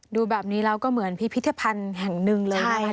ดูแบบนี้แล้วก็เหมือนพิพิธภัณฑ์แห่งหนึ่งเลยนะครับ